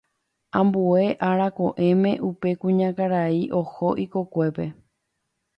Ambue ára ko'ẽme upe kuñakarai oho ikokuépe.